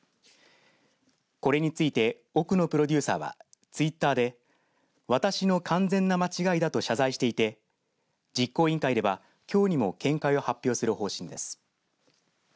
これについて奥野プロデューサーはツイッターで私の完全な間違いだと謝罪していて、実行委員会ではきょうにも見解を発表する方針です。